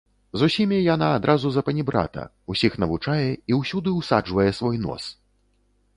З усімі яна адразу запанібрата, усіх навучае і ўсюды ўсаджвае свой нос.